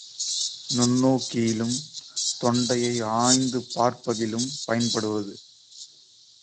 நுண்ணோக்கியிலும், தொண்டையை ஆய்ந்து பார்ப்பதிலும் பயன்படுவது.